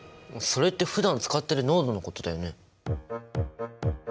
それってふだん使っている濃度のことだよね？